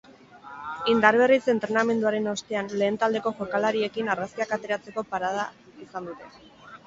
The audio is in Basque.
Indar berritze entrenamenduaren ostean lehen taldeko jokalariekin argazkiak ateratzeko parada izan dute.